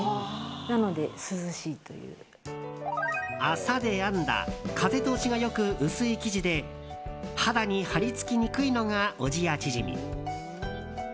麻で編んだ風通しが良く薄い生地で肌に貼り付きにくいのが小千谷縮。